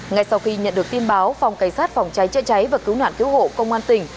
ngay sau khi nhận được tin báo phòng cảnh sát phòng cháy chữa cháy và cứu nạn cứu hộ công an tỉnh